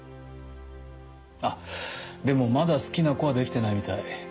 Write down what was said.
あっでもまだ好きな子はできてないみたい。